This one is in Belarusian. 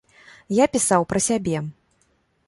Я пісаў пра сябе.